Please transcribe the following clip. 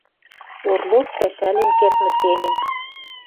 Орлов пӓшӓлен кердмӹ семӹнь.